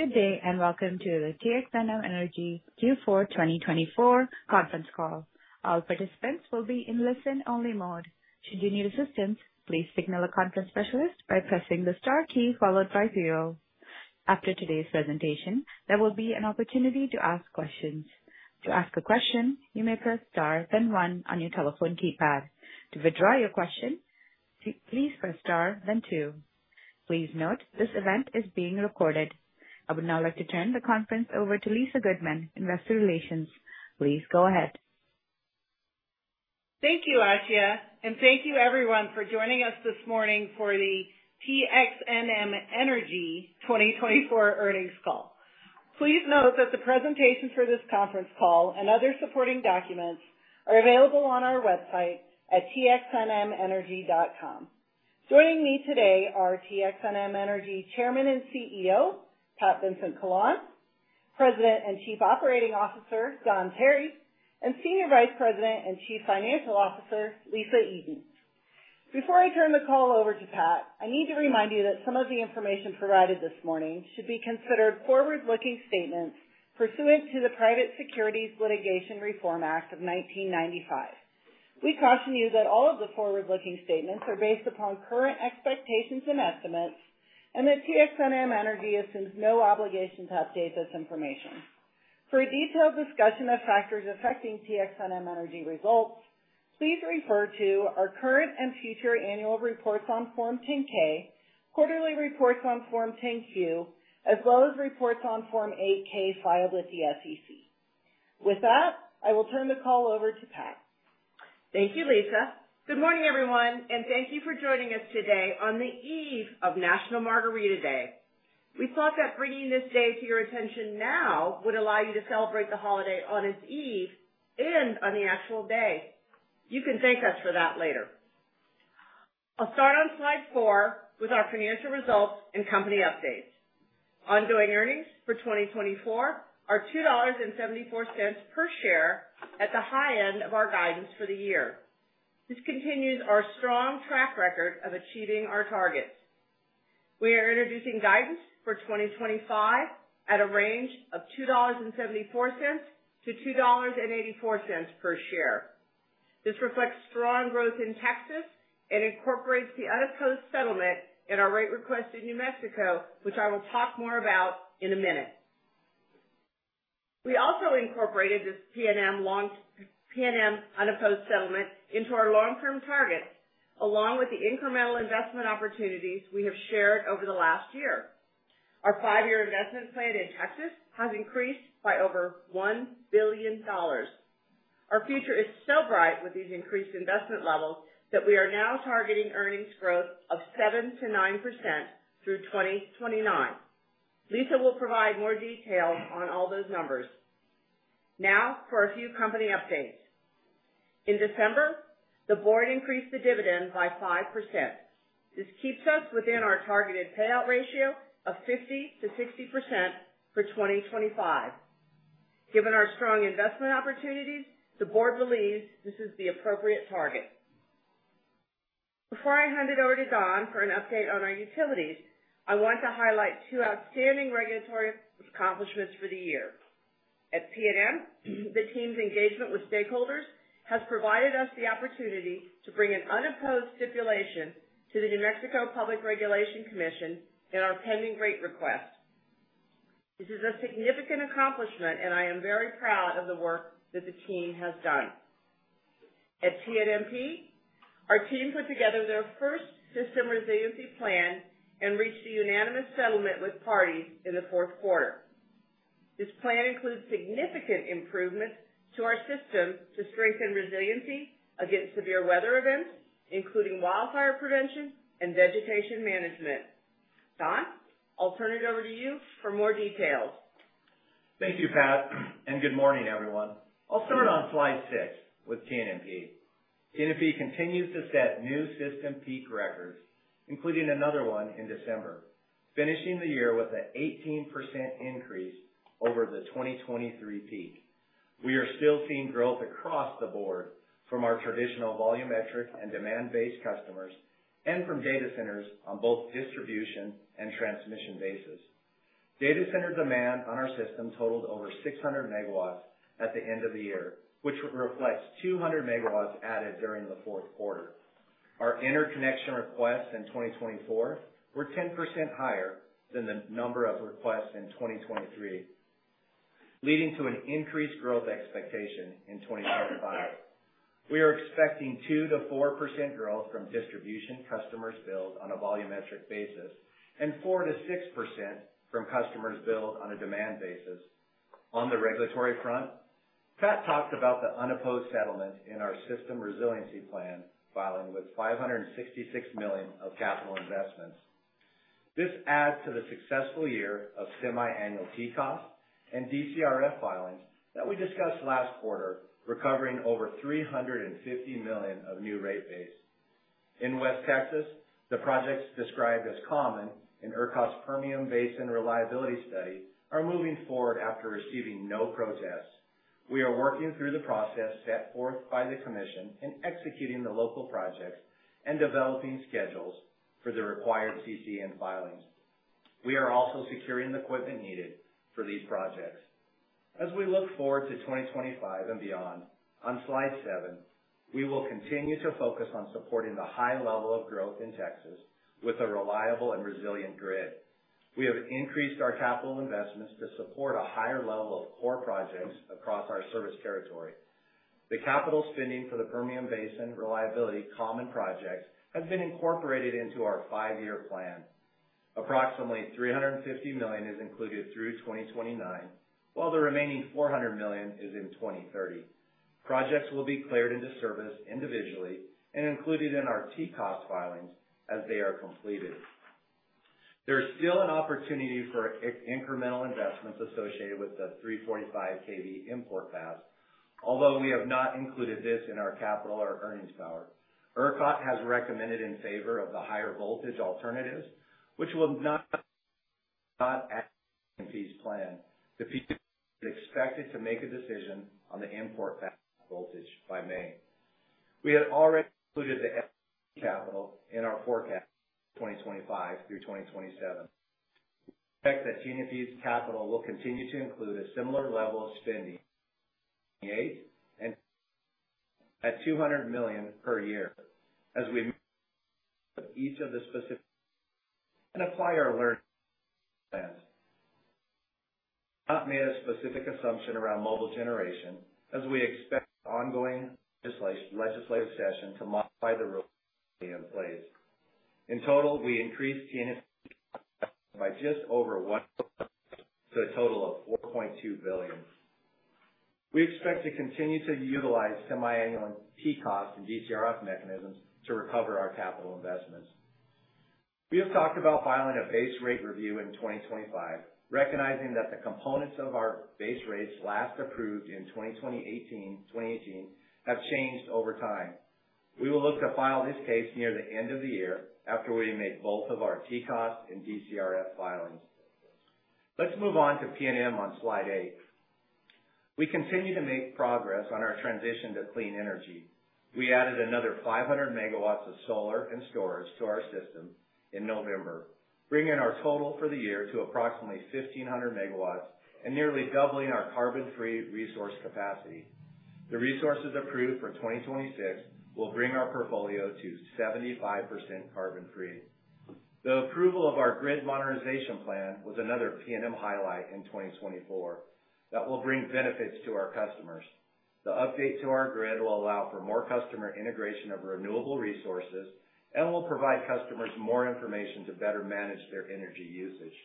Good day and welcome to the TXNM Energy Q4 2024 conference call. All participants will be in listen-only mode. Should you need assistance, please signal a conference specialist by pressing the star key followed by zero. After today's presentation, there will be an opportunity to ask questions. To ask a question, you may press star then one on your telephone keypad. To withdraw your question, please press star then two. Please note this event is being recorded. I would now like to turn the conference over to Lisa Goodman, Investor Relations. Please go ahead. Thank you, Aasiyah, and thank you everyone for joining us this morning for the TXNM Energy 2024 earnings call. Please note that the presentation for this conference call and other supporting documents are available on our website at txnmenergy.com. Joining me today are TXNM Energy Chairman and CEO Pat Vincent-Collawn, President and Chief Operating Officer Don Tarry, and Senior Vice President and Chief Financial Officer Lisa Eden. Before I turn the call over to Pat, I need to remind you that some of the information provided this morning should be considered forward-looking statements pursuant to the Private Securities Litigation Reform Act of 1995. We caution you that all of the forward-looking statements are based upon current expectations and estimates, and that TXNM Energy assumes no obligation to update this information. For a detailed discussion of factors affecting TXNM Energy results, please refer to our current and future annual reports on Form 10-K, quarterly reports on Form 10-Q, as well as reports on Form 8-K filed with the SEC. With that, I will turn the call over to Pat. Thank you, Lisa. Good morning, everyone, and thank you for joining us today on the eve of National Margarita Day. We thought that bringing this day to your attention now would allow you to celebrate the holiday on its eve and on the actual day. You can thank us for that later. I'll start on slide four with our financial results and company updates. Ongoing earnings for 2024 are $2.74 per share at the high end of our guidance for the year. This continues our strong track record of achieving our targets. We are introducing guidance for 2025 at a range of $2.74-$2.84 per share. This reflects strong growth in Texas and incorporates the unopposed settlement in our rate request in New Mexico, which I will talk more about in a minute. We also incorporated this PNM unopposed settlement into our long-term targets, along with the incremental investment opportunities we have shared over the last year. Our five-year investment plan in Texas has increased by over $1 billion. Our future is so bright with these increased investment levels that we are now targeting earnings growth of 7%-9% through 2029. Lisa will provide more details on all those numbers. Now for a few company updates. In December, the board increased the dividend by 5%. This keeps us within our targeted payout ratio of 50%-60% for 2025. Given our strong investment opportunities, the board believes this is the appropriate target. Before I hand it over to Don for an update on our utilities, I want to highlight two outstanding regulatory accomplishments for the year. At PNM, the team's engagement with stakeholders has provided us the opportunity to bring an unopposed stipulation to the New Mexico Public Regulation Commission in our pending rate request. This is a significant accomplishment, and I am very proud of the work that the team has done. At TNMP, our team put together their first system resiliency plan and reached a unanimous settlement with parties in the fourth quarter. This plan includes significant improvements to our system to strengthen resiliency against severe weather events, including wildfire prevention and vegetation management. Don, I'll turn it over to you for more details. Thank you, Pat, and good morning, everyone. I'll start on slide six with TNMP. TNMP continues to set new system peak records, including another one in December, finishing the year with an 18% increase over the 2023 peak. We are still seeing growth across the board from our traditional volumetric and demand-based customers and from data centers on both distribution and transmission bases. Data center demand on our system totaled over 600 megawatts at the end of the year, which reflects 200 megawatts added during the fourth quarter. Our interconnection requests in 2024 were 10% higher than the number of requests in 2023, leading to an increased growth expectation in 2025. We are expecting 2%-4% growth from distribution customers billed on a volumetric basis and 4%-6% from customers billed on a demand basis. On the regulatory front, Pat talked about the unopposed settlement in our system resiliency plan filing with $566 million of capital investments. This adds to the successful year of semiannual TCOS and DCRF filings that we discussed last quarter, recovering over $350 million of new rate base. In West Texas, the projects described as common in ERCOT Permian Basin Reliability Study are moving forward after receiving no protests. We are working through the process set forth by the commission in executing the local projects and developing schedules for the required CCN filings. We are also securing the equipment needed for these projects. As we look forward to 2025 and beyond, on slide seven, we will continue to focus on supporting the high level of growth in Texas with a reliable and resilient grid. We have increased our capital investments to support a higher level of core projects across our service territory. The capital spending for the Permian Basin Reliability Common Projects has been incorporated into our five-year plan. Approximately $350 million is included through 2029, while the remaining $400 million is in 2030. Projects will be cleared into service individually and included in our TCOS filings as they are completed. There is still an opportunity for incremental investments associated with the 345 kV import paths, although we have not included this in our capital or earnings power. ERCOT has recommended in favor of the higher voltage alternatives, which will not add to TNMP's plan. The PUCT is expected to make a decision on the import path voltage by May. We had already included the capital in our forecast for 2025 through 2027. We expect that TNMP's capital will continue to include a similar level of spending in 2028 and at $200 million per year. As we assess each of the specifics and apply our learning plans, we have not made a specific assumption around mobile generation, as we expect ongoing legislative sessions to modify the rules in place. In total, we increased TNMP's capital by just over $1 billion to a total of $4.2 billion. We expect to continue to utilize semiannual TCOS and DCRF mechanisms to recover our capital investments. We have talked about filing a base rate review in 2025, recognizing that the components of our base rates last approved in 2018 have changed over time. We will look to file this case near the end of the year after we make both of our TCOS and DCRF filings. Let's move on to PNM on slide eight. We continue to make progress on our transition to clean energy. We added another 500 megawatts of solar and storage to our system in November, bringing our total for the year to approximately 1,500 megawatts and nearly doubling our carbon-free resource capacity. The resources approved for 2026 will bring our portfolio to 75% carbon-free. The approval of our grid modernization plan was another PNM highlight in 2024 that will bring benefits to our customers. The update to our grid will allow for more customer integration of renewable resources and will provide customers more information to better manage their energy usage.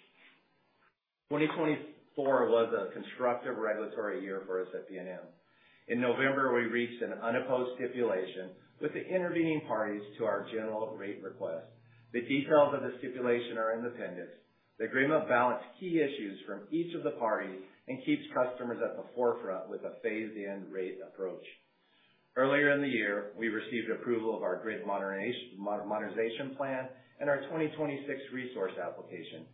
2024 was a constructive regulatory year for us at PNM. In November, we reached an unopposed stipulation with the intervening parties to our general rate request. The details of the stipulation are in the appendix. The agreement balanced key issues from each of the parties and keeps customers at the forefront with a phased-in rate approach. Earlier in the year, we received approval of our grid modernization plan and our 2026 resource application.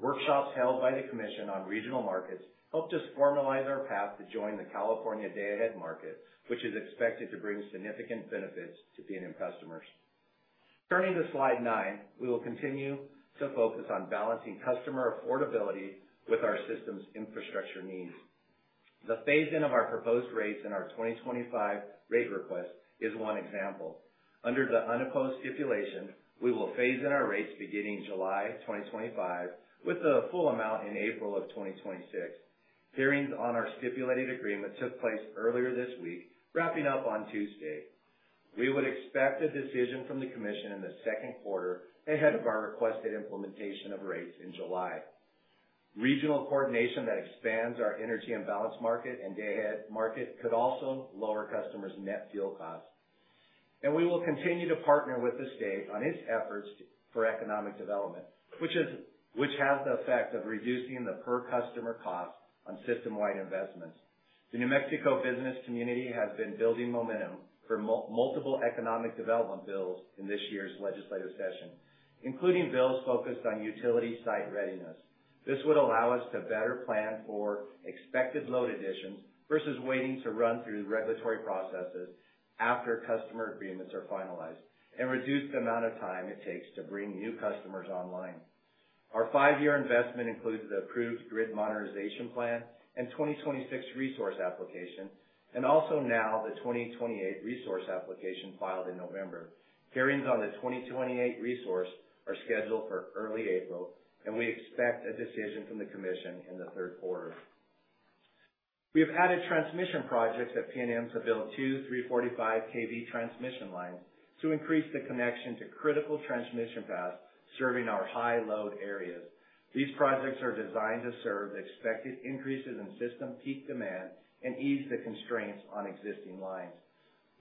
Workshops held by the commission on regional markets helped us formalize our path to join the California Day-Ahead Market which is expected to bring significant benefits to PNM customers. Turning to slide nine, we will continue to focus on balancing customer affordability with our system's infrastructure needs. The phase-in of our proposed rates in our 2025 rate request is one example. Under the unopposed stipulation, we will phase in our rates beginning July 2025 with the full amount in April of 2026. Hearings on our stipulated agreement took place earlier this week, wrapping up on Tuesday. We would expect a decision from the commission in the second quarter ahead of our requested implementation of rates in July. Regional coordination that expands our Energy Imbalance Market and day-ahead market could also lower customers' net fuel costs, and we will continue to partner with the state on its efforts for economic development, which has the effect of reducing the per-customer cost on system-wide investments. The New Mexico business community has been building momentum for multiple economic development bills in this year's legislative session, including bills focused on utility site readiness. This would allow us to better plan for expected load additions versus waiting to run through regulatory processes after customer agreements are finalized and reduce the amount of time it takes to bring new customers online. Our five-year investment includes the approved grid modernization plan and 2026 resource application, and also now the 2028 resource application filed in November. Hearings on the 2028 resource are scheduled for early April, and we expect a decision from the commission in the third quarter. We have added transmission projects at PNM to build two 345 kV transmission lines to increase the connection to critical transmission paths serving our high-load areas. These projects are designed to serve the expected increases in system peak demand and ease the constraints on existing lines.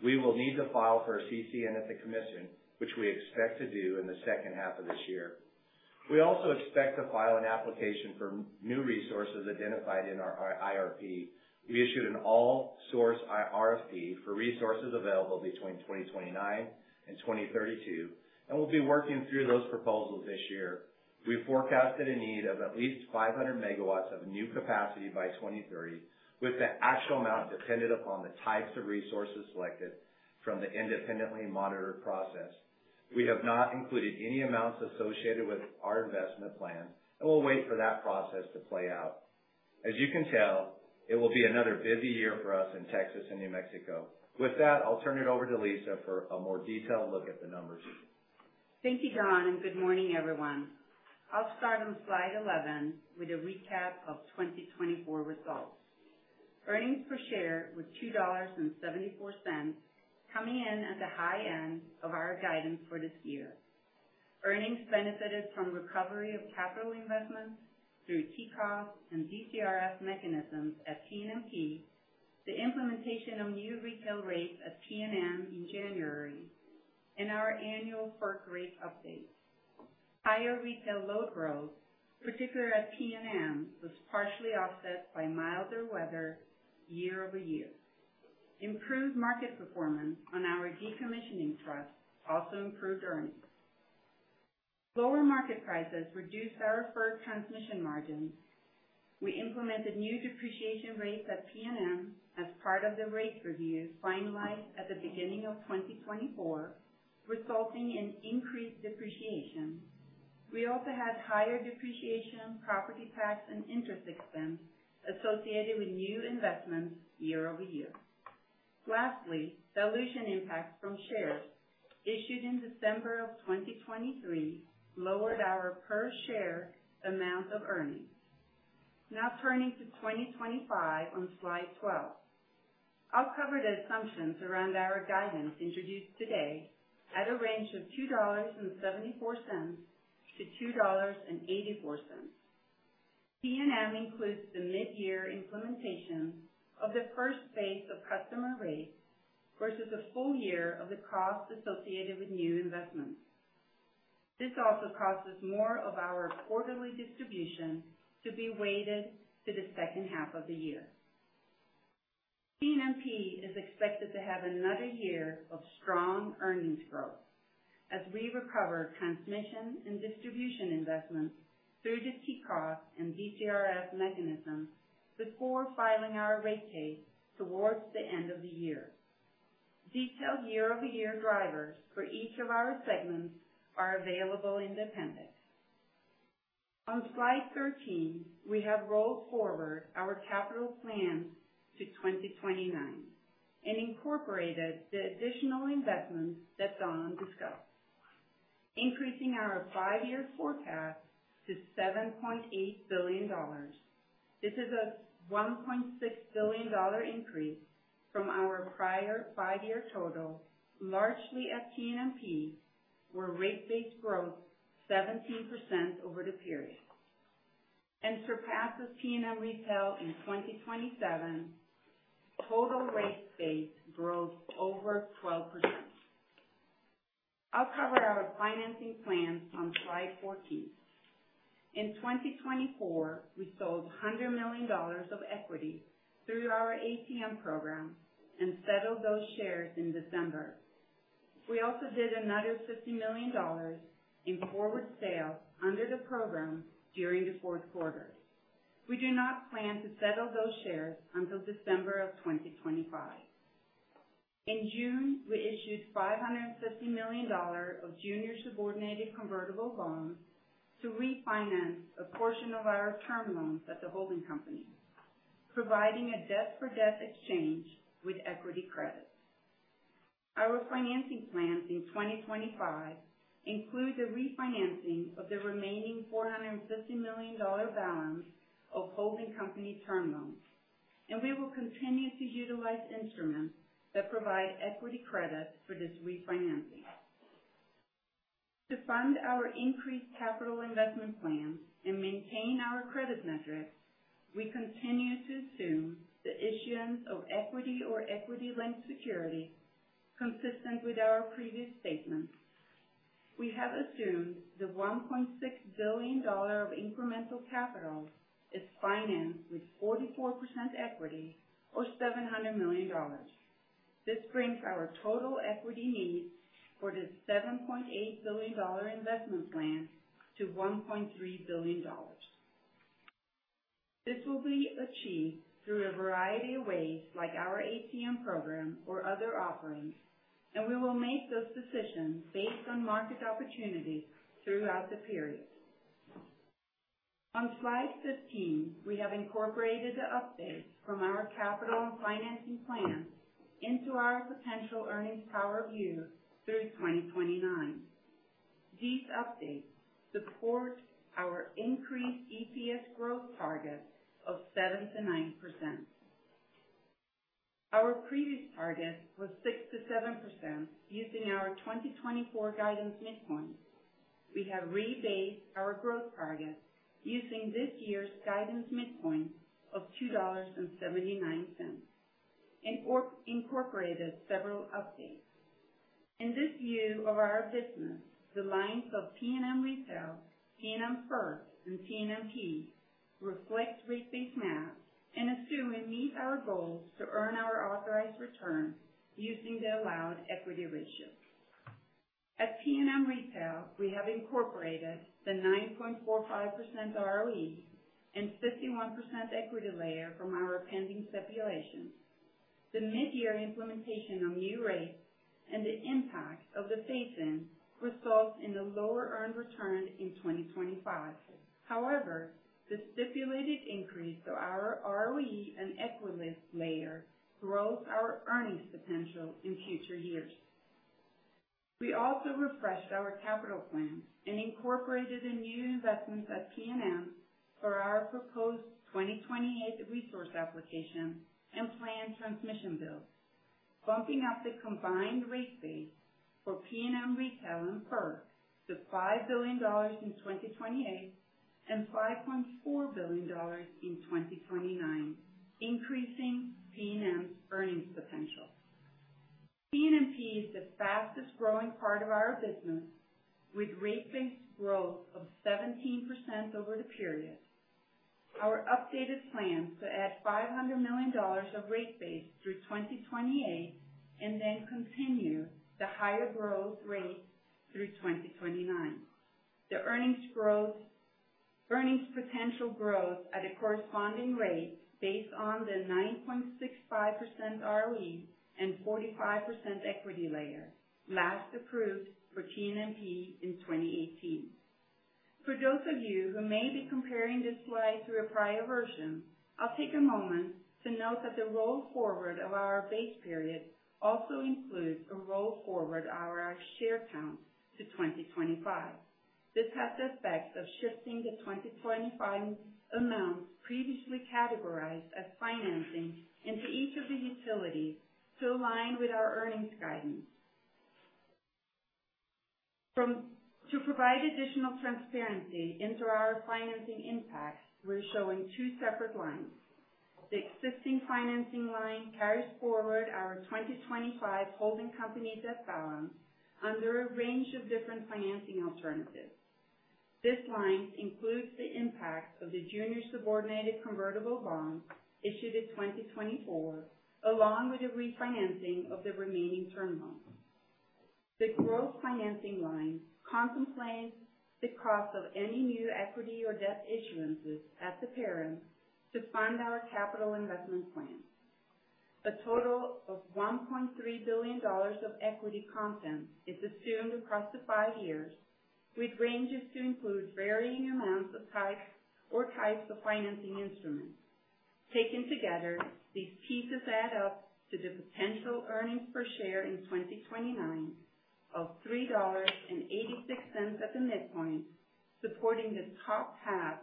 We will need to file for a CCN at the commission, which we expect to do in the second half of this year. We also expect to file an application for new resources identified in our IRP. We issued an all-source RFP for resources available between 2029 and 2032, and we'll be working through those proposals this year. We forecasted a need of at least 500 megawatts of new capacity by 2030, with the actual amount dependent upon the types of resources selected from the independently monitored process. We have not included any amounts associated with our investment plan, and we'll wait for that process to play out. As you can tell, it will be another busy year for us in Texas and New Mexico. With that, I'll turn it over to Lisa for a more detailed look at the numbers. Thank you, Don, and good morning, everyone. I'll start on slide 11 with a recap of 2024 results. Earnings per share were $2.74, coming in at the high end of our guidance for this year. Earnings benefited from recovery of capital investments through TCOS and DCRF mechanisms at PNM, the implementation of new retail rates at PNM in January, and our annual formula rate updates. Higher retail load growth, particularly at PNM, was partially offset by milder weather year over year. Improved market performance on our decommissioning trust also improved earnings. Lower market prices reduced our formula transmission margins. We implemented new depreciation rates at PNM as part of the rate review finalized at the beginning of 2024, resulting in increased depreciation. We also had higher depreciation, property tax, and interest expense associated with new investments year over year. Lastly, dilution impacts from shares issued in December of 2023 lowered our per-share amount of earnings. Now turning to 2025 on slide 12, I'll cover the assumptions around our guidance introduced today at a range of $2.74-$2.84. PNM includes the mid-year implementation of the first phase of customer rates versus a full year of the cost associated with new investments. This also causes more of our quarterly distribution to be weighted to the second half of the year. TNMP is expected to have another year of strong earnings growth as we recover transmission and distribution investments through the TCOS and DCRF mechanisms before filing our rate case towards the end of the year. Detailed year-over-year drivers for each of our segments are available in the appendix. On slide 13, we have rolled forward our capital plan to 2029 and incorporated the additional investments that Don discussed, increasing our five-year forecast to $7.8 billion. This is a $1.6 billion increase from our prior five-year total, largely at PNM, where rate base growth is 17% over the period and surpasses PNM retail in 2027. Total rate base grows over 12%. I'll cover our financing plans on slide 14. In 2024, we sold $100 million of equity through our ATM program and settled those shares in December. We also did another $50 million in forward sales under the program during the fourth quarter. We do not plan to settle those shares until December of 2025. In June, we issued $550 million of junior subordinated convertible loans to refinance a portion of our term loans at the holding company, providing a debt-for-debt exchange with equity credits. Our financing plans in 2025 include the refinancing of the remaining $450 million balance of holding company term loans, and we will continue to utilize instruments that provide equity credits for this refinancing. To fund our increased capital investment plan and maintain our credit metrics, we continue to assume the issuance of equity or equity-linked security consistent with our previous statements. We have assumed the $1.6 billion of incremental capital is financed with 44% equity or $700 million. This brings our total equity needs for the $7.8 billion investment plan to $1.3 billion. This will be achieved through a variety of ways, like our ATM program or other offerings, and we will make those decisions based on market opportunities throughout the period. On slide 15, we have incorporated the updates from our capital and financing plan into our potential earnings power view through 2029. These updates support our increased EPS growth target of 7%-9%. Our previous target was 6%-7% using our 2024 guidance midpoint. We have rebased our growth target using this year's guidance midpoint of $2.79 and incorporated several updates. In this view of our business, the lines of PNM Retail, PNM FERC, and TNMP reflect rate base math and assume we meet our goals to earn our authorized return using the allowed equity ratio. At PNM Retail, we have incorporated the 9.45% ROE and 51% equity layer from our pending stipulations. The mid-year implementation of new rates and the impact of the phase-in results in a lower earned return in 2025. However, the stipulated increase of our ROE and equity layer grows our earnings potential in future years. We also refreshed our capital plan and incorporated the new investments at PNM for our proposed 2028 resource application and planned transmission builds, bumping up the combined rate base for PNM Retail and TNMP to $5 billion in 2028 and $5.4 billion in 2029, increasing PNM's earnings potential. PNM is the fastest growing part of our business, with rate-based growth of 17% over the period. Our updated plan is to add $500 million of rate base through 2028 and then continue the higher growth rate through 2029. The earnings potential grows at a corresponding rate based on the 9.65% ROE and 45% equity layer, last approved for PNM in 2018. For those of you who may be comparing this slide to a prior version, I'll take a moment to note that the roll forward of our base period also includes a roll forward of our share count to 2025. This has the effect of shifting the 2025 amounts previously categorized as financing into each of the utilities to align with our earnings guidance. To provide additional transparency into our financing impacts, we're showing two separate lines. The existing financing line carries forward our 2025 holding company debt balance under a range of different financing alternatives. This line includes the impact of the junior subordinated convertible bond issued in 2024, along with the refinancing of the remaining term loans. The growth financing line contemplates the cost of any new equity or debt issuances at the parent to fund our capital investment plan. A total of $1.3 billion of equity content is assumed across the five years, with ranges to include varying amounts of types of financing instruments. Taken together, these pieces add up to the potential earnings per share in 2029 of $3.86 at the midpoint, supporting the top half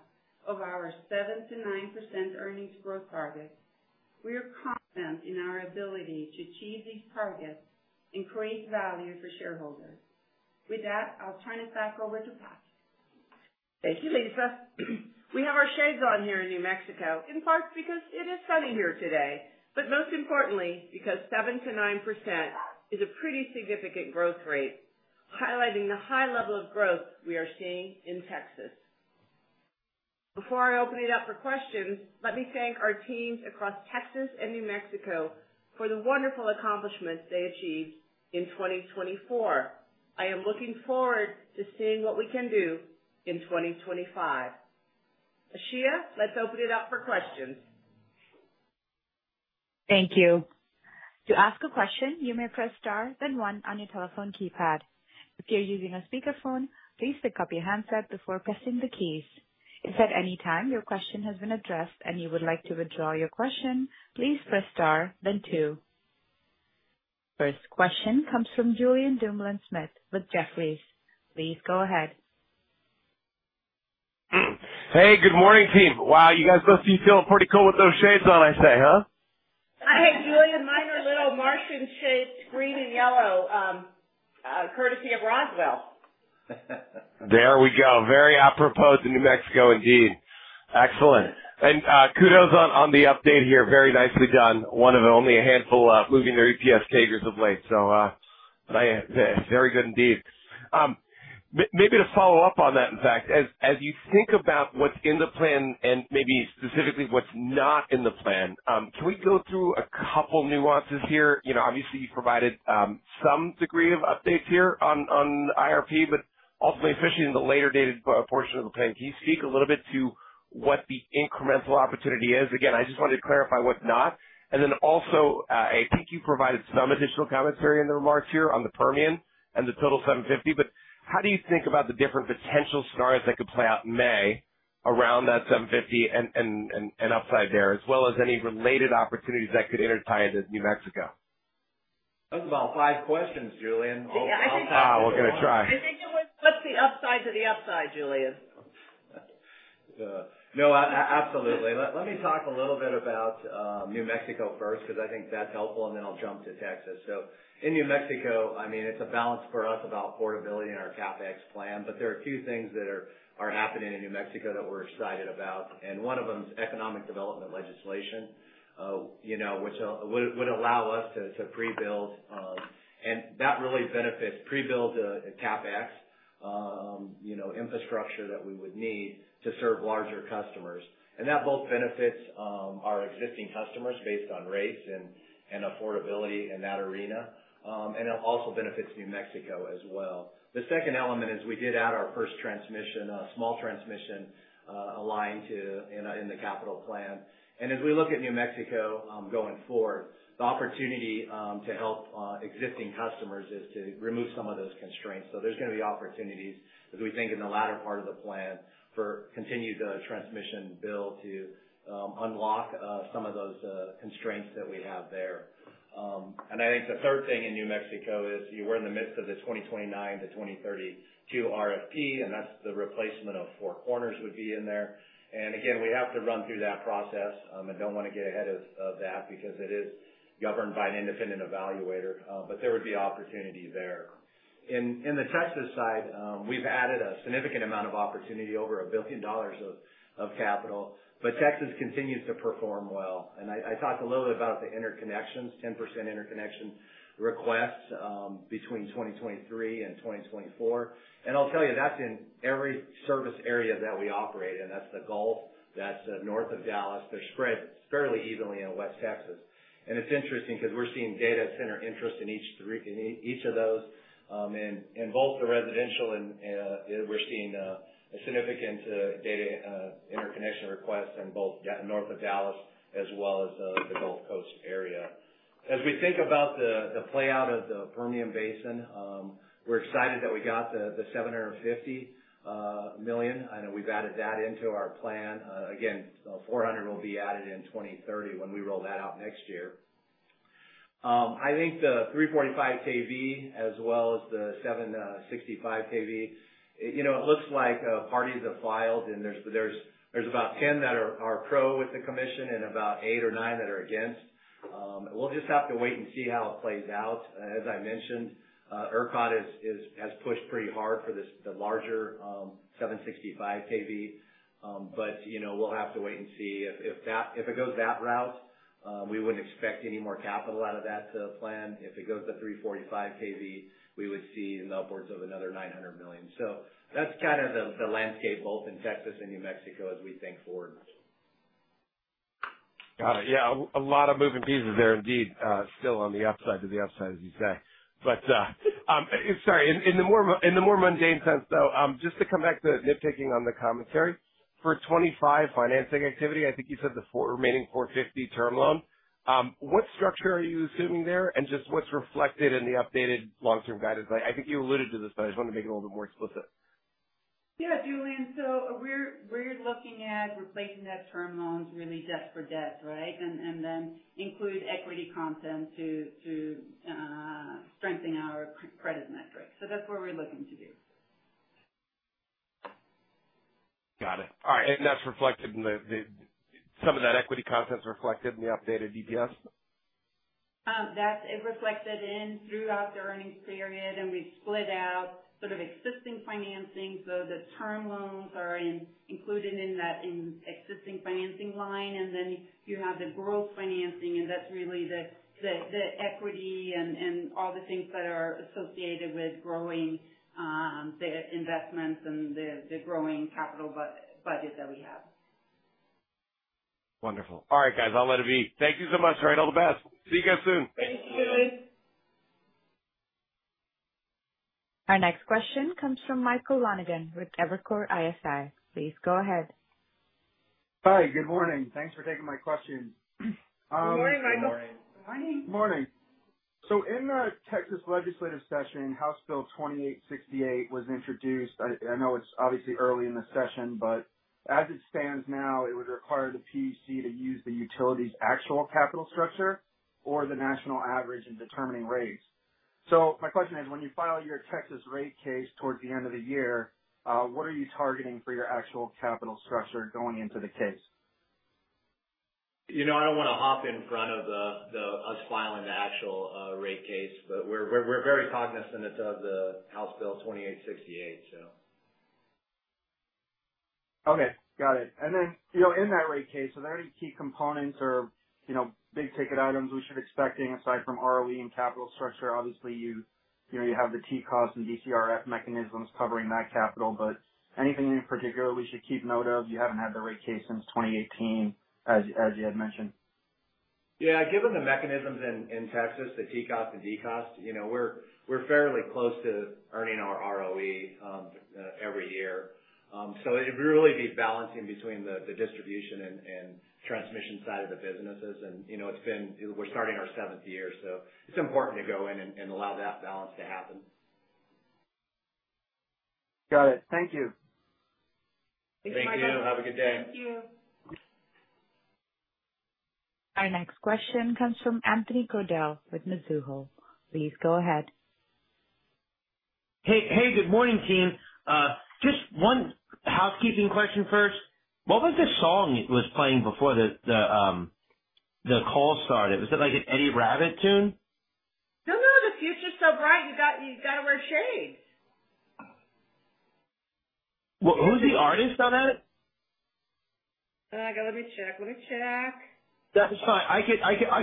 of our 7%-9% earnings growth target. We are confident in our ability to achieve these targets and create value for shareholders. With that, I'll turn it back over to Pat. Thank you, Lisa. We have our shades on here in New Mexico, in part because it is sunny here today, but most importantly because 7%-9% is a pretty significant growth rate, highlighting the high level of growth we are seeing in Texas. Before I open it up for questions, let me thank our teams across Texas and New Mexico for the wonderful accomplishments they achieved in 2024. I am looking forward to seeing what we can do in 2025. Aasiyah, let's open it up for questions. Thank you. To ask a question, you may press star, then one on your telephone keypad. If you're using a speakerphone, please pick up your handset before pressing the keys. If at any time your question has been addressed and you would like to withdraw your question, please press star, then two. First question comes from Julian Dumoulin-Smith with Jefferies. Please go ahead. Hey, good morning, team. Wow, you guys must be feeling pretty cool with those shades on, I say, huh? Hey, Julian, mine are little Martian-shaped, green and yellow, courtesy of Roswell. There we go. Very apropos to New Mexico indeed. Excellent. And kudos on the update here. Very nicely done. One of only a handful moving their EPS guidance of late. So very good indeed. Maybe to follow up on that, in fact, as you think about what's in the plan and maybe specifically what's not in the plan, can we go through a couple nuances here? Obviously, you provided some degree of updates here on IRP, but ultimately, especially in the later-dated portion of the plan, can you speak a little bit to what the incremental opportunity is? Again, I just wanted to clarify what's not. Then also, I think you provided some additional commentary in the remarks here on the Permian and the total 750, but how do you think about the different potential scenarios that could play out in May around that 750 and upside there, as well as any related opportunities that could intertie into New Mexico? That was about five questions, Julian. Yeah, I think so. We're going to try. I think it was, "What's the upside to the upside, Julian?". No, absolutely. Let me talk a little bit about New Mexico first because I think that's helpful, and then I'll jump to Texas, so in New Mexico, I mean, it's a balance for us about portability in our CapEx plan, but there are a few things that are happening in New Mexico that we're excited about, and one of them is economic development legislation, which would allow us to pre-build, and that really benefits the CapEx infrastructure that we would need to serve larger customers. And that both benefits our existing customers based on rates and affordability in that arena, and it also benefits New Mexico as well. The second element is we did add our first transmission, a small transmission line in the capital plan, and as we look at New Mexico going forward, the opportunity to help existing customers is to remove some of those constraints. So there's going to be opportunities, as we think in the latter part of the plan, for continued transmission build to unlock some of those constraints that we have there. And I think the third thing in New Mexico is we're in the midst of the 2029 to 2032 RFP, and that's the replacement of Four Corners would be in there. And again, we have to run through that process. I don't want to get ahead of that because it is governed by an independent evaluator, but there would be opportunity there. In the Texas side, we've added a significant amount of opportunity, over $1 billion of capital, but Texas continues to perform well. And I talked a little bit about the interconnections, 10% interconnection requests between 2023 and 2024. And I'll tell you, that's in every service area that we operate in. That's the Gulf, that's north of Dallas. They're spread fairly evenly in West Texas. And it's interesting because we're seeing data center interest in each of those. And both the residential, we're seeing a significant data interconnection request in both north of Dallas as well as the Gulf Coast area. As we think about the play out of the Permian Basin, we're excited that we got the $750 million. I know we've added that into our plan. Again, $400 million will be added in 2030 when we roll that out next year. I think the 345 kV, as well as the 765 kV, it looks like parties have filed, and there's about 10 that are pro with the commission and about eight or nine that are against. We'll just have to wait and see how it plays out. As I mentioned, ERCOT has pushed pretty hard for the larger 765 kV, but we'll have to wait and see. If it goes that route, we wouldn't expect any more capital out of that plan. If it goes to 345 kV, we would see in the upwards of another $900 million. So that's kind of the landscape both in Texas and New Mexico as we think forward. Got it. Yeah, a lot of moving pieces there indeed, still on the upside to the upside, as you say. But sorry, in the more mundane sense, though, just to come back to nitpicking on the commentary, for 2025 financing activity, I think you said the remaining 450 term loan. What structure are you assuming there, and just what's reflected in the updated long-term guidance? I think you alluded to this, but I just wanted to make it a little bit more explicit. Yeah, Julian, so we're looking at replacing that term loans really just for debt, right, and then include equity content to strengthen our credit metrics. So that's what we're looking to do. Got it. All right. And that's reflected in some of that equity content's reflected in the updated EPS? That's reflected throughout the earnings period, and we split out sort of existing financing, so the term loans are included in that existing financing line, and then you have the growth financing, and that's really the equity and all the things that are associated with growing the investments and the growing capital budget that we have. Wonderful. All right, guys, I'll let it be. Thank you so much. All right, all the best. See you guys soon. Thank you, Julian. Our next question comes from Michael Lonergan with Evercore ISI. Please go ahead. Hi, good morning. Thanks for taking my question. Good morning, Michael. Good morning. Good morning. So in the Texas legislative session, House Bill 2868 was introduced. I know it's obviously early in the session, but as it stands now, it would require the PUC to use the utility's actual capital structure or the national average in determining rates. So my question is, when you file your Texas rate case towards the end of the year, what are you targeting for your actual capital structure going into the case? You know, I don't want to hop in front of us filing the actual rate case, but we're very cognizant of the House Bill 2868, so. Okay, got it. And then in that rate case, are there any key components or big ticket items we should expect aside from ROE and capital structure? Obviously, you have the TCOS and DCRF mechanisms covering that capital, but anything in particular we should keep note of? You haven't had the rate case since 2018, as you had mentioned. Yeah, given the mechanisms in Texas, the TCOS and DCRF, we're fairly close to earning our ROE every year, so it would really be balancing between the distribution and transmission side of the businesses, and we're starting our seventh year, so it's important to go in and allow that balance to happen. Got it. Thank you. Thank you, Michael. Thank you. Have a good day. Thank you. Our next question comes from Anthony Crowdell with Mizuho. Please go ahead. Hey, good morning, team. Just one housekeeping question first. What was the song it was playing before the call started? Was it like an Eddie Rabbitt tune? No, no, the future's so bright. You got to wear shades. Who's the artist on that? Let me check. Let me check. That's fine. I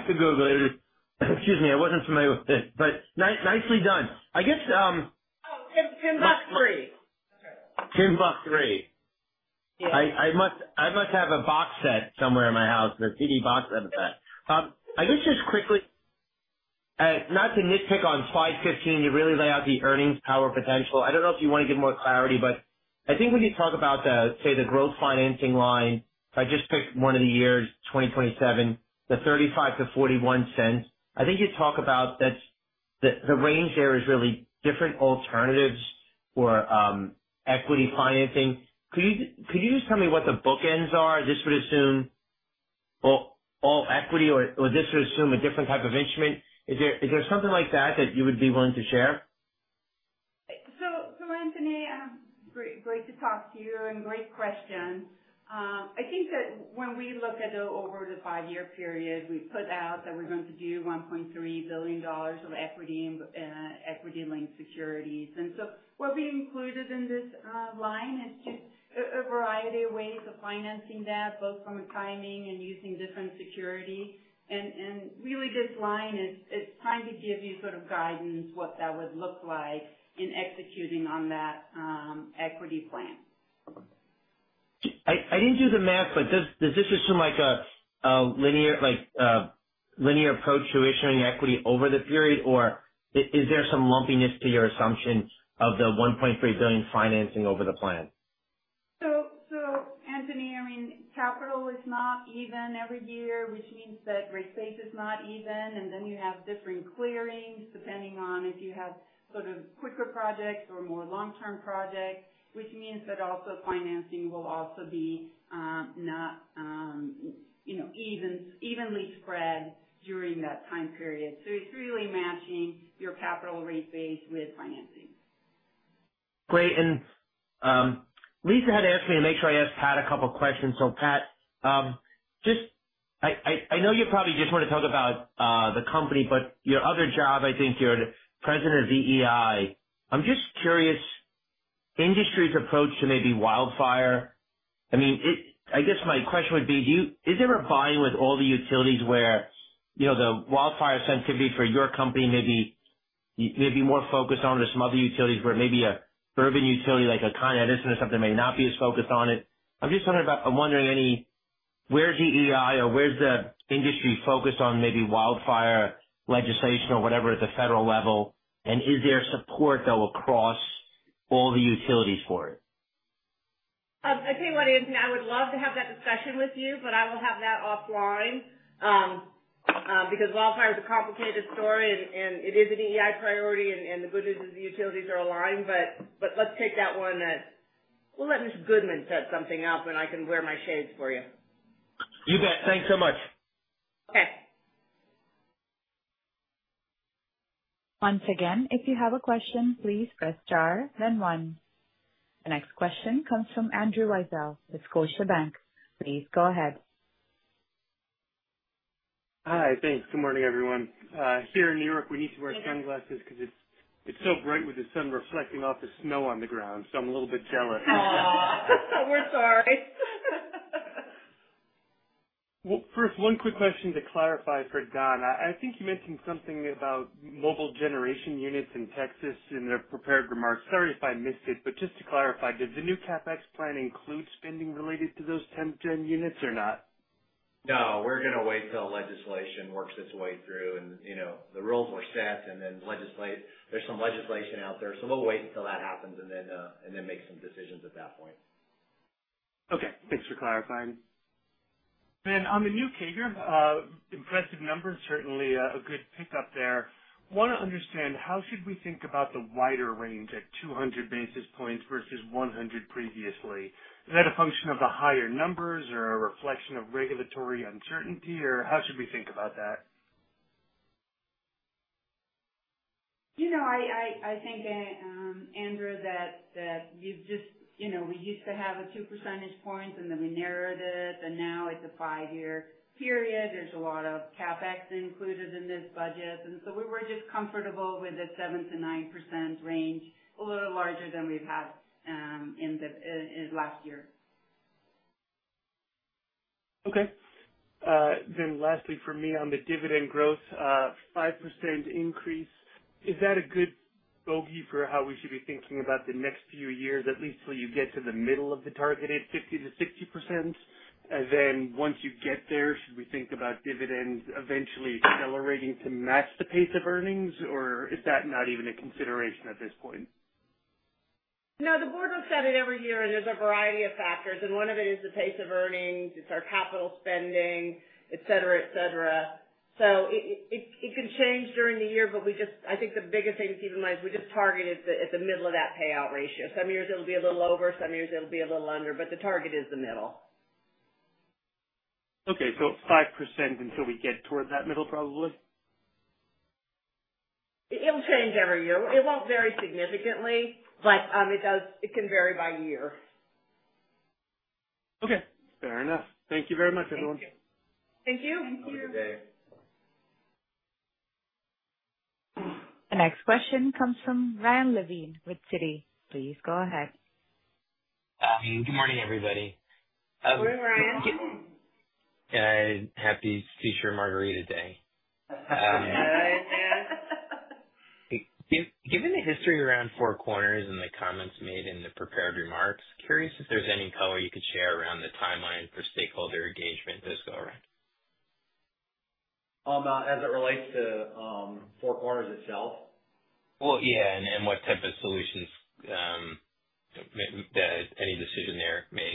could Google it. Excuse me, I wasn't familiar with it, but nicely done. I guess. Oh, Timbuk 3. Timbuk 3. I must have a box set somewhere in my house, a CD box set of that. I guess just quickly, not to nitpick on slide 15, you really lay out the earnings power potential. I don't know if you want to give more clarity, but I think we could talk about, say, the growth financing line. If I just pick one of the years, 2027, the $0.35-$0.41, I think you talk about that the range there is really different alternatives for equity financing. Could you just tell me what the bookends are? This would assume all equity, or this would assume a different type of instrument. Is there something like that that you would be willing to share? So, Anthony, great to talk to you and great question. I think that when we look at over the five-year period, we put out that we're going to do $1.3 billion of equity-linked securities. And so what we included in this line is just a variety of ways of financing that, both from a timing and using different security. And really, this line is trying to give you sort of guidance, what that would look like in executing on that equity plan. I didn't do the math, but does this assume a linear approach to issuing equity over the period, or is there some lumpiness to your assumption of the $1.3 billion financing over the plan? So, Anthony, I mean, capital is not even every year, which means that rate base is not even. And then you have different clearings depending on if you have sort of quicker projects or more long-term projects, which means that also financing will also be not evenly spread during that time period. So it's really matching your capital rate base with financing. Great. And Lisa had asked me to make sure I asked Pat a couple of questions. So, Pat, I know you probably just want to talk about the company, but your other job, I think you're the president of EEI. I'm just curious, industry's approach to maybe wildfire. I mean, I guess my question would be, is there a buy-in with all the utilities where the wildfire sensitivity for your company may be more focused on, or some other utilities where maybe an urban utility like a Con Edison or something may not be as focused on it? I'm just wondering where's EEI or where's the industry focused on maybe wildfire legislation or whatever at the federal level, and is there support, though, across all the utilities for it? Okay, Anthony, I would love to have that discussion with you, but I will have that offline because wildfire is a complicated story, and it is an EEI priority, and the good news is the utilities are aligned, but let's take that one that we'll let Ms. Goodman set something up, and I can wear my shades for you. You bet. Thanks so much. Okay. Once again, if you have a question, please press star, then one. The next question comes from Andrew Weisel with Scotiabank. Please go ahead. Hi, thanks. Good morning, everyone. Here in New York, we need to wear sunglasses because it's so bright with the sun reflecting off the snow on the ground, so I'm a little bit jealous. We're sorry. First, one quick question to clarify for Don. I think you mentioned something about mobile generation units in Texas in their prepared remarks. Sorry if I missed it, but just to clarify, does the new CapEx plan include spending related to those 10 units or not? No, we're going to wait till legislation works its way through, and the rules were set, and then there's some legislation out there, so we'll wait until that happens and then make some decisions at that point. Okay. Thanks for clarifying. Then on the new CAGR, impressive numbers, certainly a good pickup there. I want to understand, how should we think about the wider range at 200 basis points versus 100 previously? Is that a function of the higher numbers or a reflection of regulatory uncertainty, or how should we think about that? I think, Andrew, that we used to have two percentage points, and then we narrowed it, and now it's a five-year period. There's a lot of CapEx included in this budget, and so we were just comfortable with the 7%-9% range, a little larger than we've had last year. Okay. Then lastly, for me, on the dividend growth, 5% increase, is that a good bogey for how we should be thinking about the next few years, at least till you get to the middle of the targeted 50%-60%? And then once you get there, should we think about dividends eventually accelerating to match the pace of earnings, or is that not even a consideration at this point? No, the board looks at it every year, and there's a variety of factors, and one of it is the pace of earnings. It's our capital spending, etc., etc., so it can change during the year, but I think the biggest thing to keep in mind is we just target it at the middle of that payout ratio. Some years it'll be a little over, some years it'll be a little under, but the target is the middle. Okay. So 5% until we get toward that middle, probably? It'll change every year. It won't vary significantly, but it can vary by year. Okay. Fair enough. Thank you very much, everyone. Thank you. Thank you. Thank you. Have a good day. The next question comes from Ryan Levine with Citi. Please go ahead. Good morning, everybody. Good morning, Ryan. Happy future Margarita Day. Given the history around Four Corners and the comments made in the prepared remarks, curious if there's any color you could share around the timeline for stakeholder engagement this go-around? As it relates to Four Corners itself? Yeah, and what type of solutions any decision there may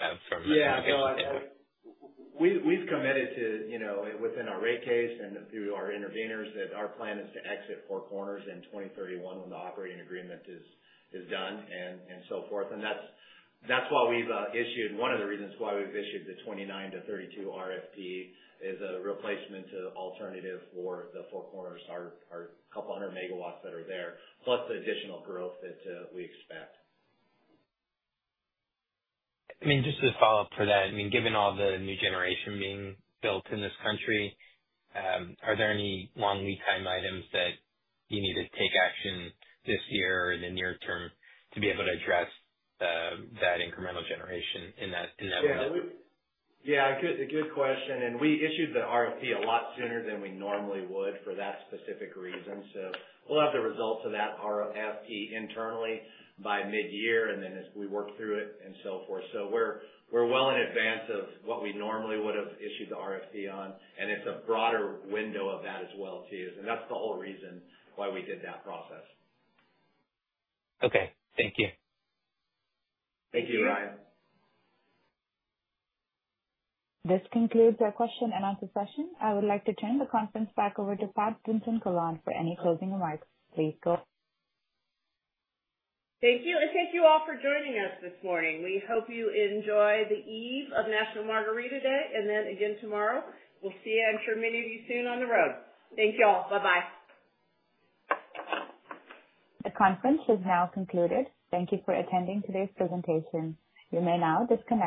have from a different perspective. Yeah, so we've committed within our rate case and through our intervenors that our plan is to exit Four Corners in 2031 when the operating agreement is done and so forth. And that's one of the reasons why we've issued the 2029 to 2032 RFP as a replacement alternative for the Four Corners, our couple hundred megawatts that are there, plus the additional growth that we expect. I mean, just to follow up for that, I mean, given all the new generation being built in this country, are there any long lead time items that you need to take action this year or in the near term to be able to address that incremental generation in that way? Yeah, good question. And we issued the RFP a lot sooner than we normally would for that specific reason. So we'll have the results of that RFP internally by mid-year, and then as we work through it and so forth. So we're well in advance of what we normally would have issued the RFP on, and it's a broader window of that as well too. And that's the whole reason why we did that process. Okay. Thank you. Thank you, Ryan. This concludes our question and answer session. I would like to turn the conference back over to Pat Vincent-Collawn for any closing remarks. Please go. Thank you, and thank you all for joining us this morning. We hope you enjoy the eve of National Margarita Day, and then again tomorrow. We'll see you, I'm sure, many of you soon on the road. Thank you all. Bye-bye. The conference has now concluded. Thank you for attending today's presentation. You may now disconnect.